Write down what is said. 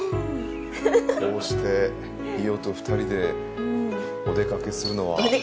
こうして伊代と２人でお出かけするのは。